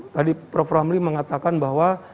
tadi prof ramli mengatakan bahwa